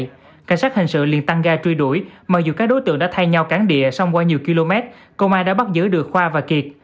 đội hình sự đặc nhiệm phòng cảnh sát hình sự liền tăng gai truy đuổi mặc dù các đối tượng đã thay nhau cán địa xong qua nhiều km công an đã bắt giữ được khoa và kiệt